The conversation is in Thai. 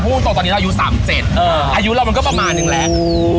พวกมันตกตอนนี้เราอายุสามเจ็ดเอออายุเรามันก็ประมาณหนึ่งแหละอู้ว